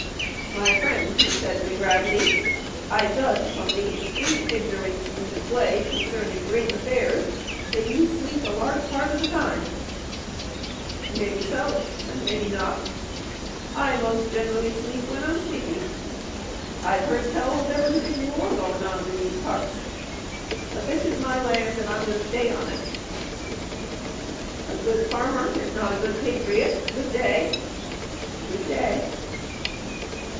"My friend," he said with gravity, "I judge from the extreme ignorance you display concerning great affairs that you sleep a large part of the time." "Mebbe so, an' mebbe not. I most gen'ally sleep when I'm sleepy. I've heard tell there was a big war goin' on in these parts, but this is my land, an' I'm goin' to stay on it." "A good farmer, if not a good patriot. Good day." "Good day."